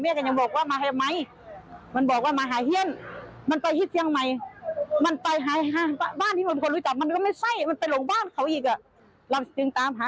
เองน่ะไม่รู้ว่าจะเขาจะไปที่ไหนเขาไปไม่รู้ว่าจุด